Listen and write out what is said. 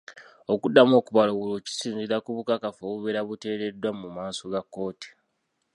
Okuddamu okubala obululu kisinziira ku bukakafu obubeera buteereddwa mu maaso ga kkooti.